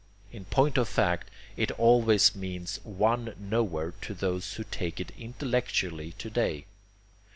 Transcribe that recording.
In point of fact it always means one KNOWER to those who take it intellectually to day.